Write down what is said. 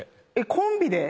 コンビで？